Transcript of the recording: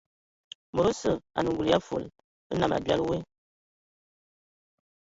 Mod osə anə ngul ya fol nnam abiali woe.